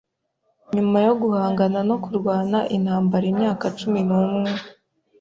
nyuma yo guhangana no kurwana intambara imyaka cumi numwe